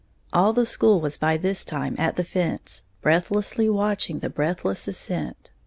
All the school was by this time at the fence, breathlessly watching the breathless ascent.